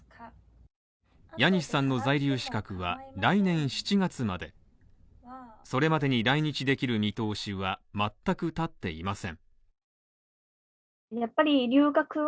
ヤニスさんの在留資格は来年７月まで、それまでに来日できる見通しは全く立っていません。